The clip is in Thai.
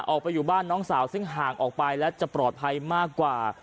ออกไปอยู่บ้านน้องสาวซึ่งห่างออกไปและจะปลอดภัยมากกว่า